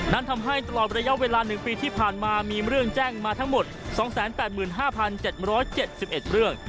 ทำให้ตลอดระยะเวลา๑ปีที่ผ่านมามีเรื่องแจ้งมาทั้งหมด๒๘๕๗๗๑เรื่อง